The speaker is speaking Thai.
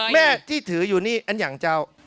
แม่ที่ถืออยู่นี่อันอย่างเจ้า